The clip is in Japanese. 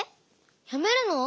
やめるの？